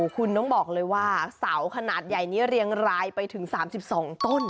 คุณต้องบอกเลยว่าเสาขนาดใหญ่นี้เรียงรายไปถึง๓๒ต้น